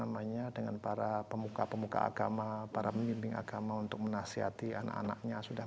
namanya dengan para pemuka pemuka agama para pembimbing agama untuk menasihati anak anaknya sudah